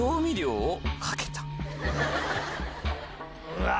うわ。